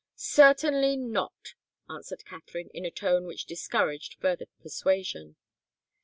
"Certainly not!" answered Katharine, in a tone which discouraged further persuasion.